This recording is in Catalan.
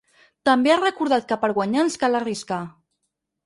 També ha recordat que ‘per guanyar ens cal arriscar’.